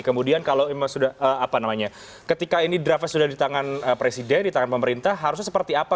kemudian kalau memang sudah apa namanya ketika ini draftnya sudah di tangan presiden di tangan pemerintah harusnya seperti apa